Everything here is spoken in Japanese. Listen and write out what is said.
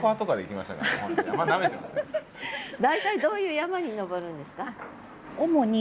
大体どういう山に登るんですか？